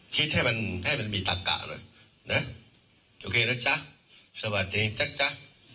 คิดให้มันมีตัดกะเลยโอเคแล้วจ๊ะสวัสดีจ๊ะจ๊ะ